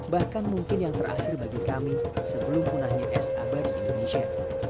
bahkan mungkin yang terakhir bagi kami sebelum punahnya es abadi indonesia